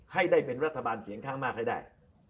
ให้ได้เป็นรัฐบาลเสียงข้างมากให้ได้